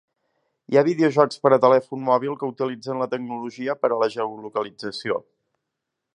Hi ha videojocs per a telèfon mòbil que utilitzen la tecnologia per a la geolocalització.